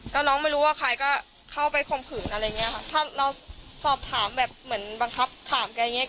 แล้วน้องไม่รู้ว่าใครก็เข้าไปข่มขืนอะไรอย่างเงี้ค่ะถ้าเราสอบถามแบบเหมือนบังคับถามแกอย่างเงี